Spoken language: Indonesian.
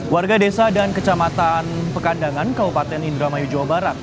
warga desa dan kecamatan pekandangan kabupaten indramayu jawa barat